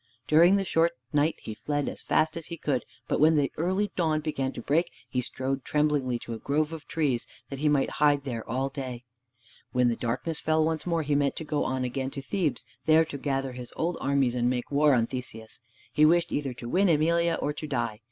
During the short night he fled as fast as he could, but when the early dawn began to break he strode tremblingly to a grove of trees, that he might hide there all day. When the darkness fell once more he meant to go on again to Thebes, there to gather his old armies to make war on Theseus. He wished either to win Emelia or to die.